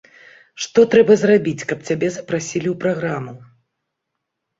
Што трэба зрабіць, каб цябе запрасілі ў праграму?